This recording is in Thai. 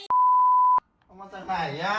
เอามาจากไหนอ่ะ